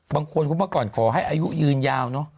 บางคนก็มาก่อนขอให้อายุยืนยาว